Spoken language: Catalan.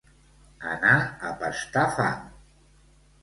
Anar a pastar fang